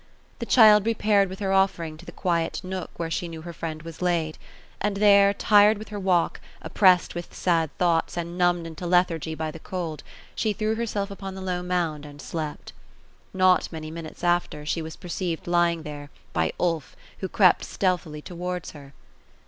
The child repaired with her offering, to the quiet nook, where she knew her friend was laid ; and there, tired with her walk, oppressed with sad thoughts, and numbed into lethargy by the cold, she threw herself upon the low mound, and slept. Not many minutes after, she was perceived lying there, by Ulf, who crept stealthily towards her.